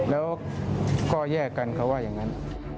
แล้วก็แยกกันเขาว่าอย่างนั้น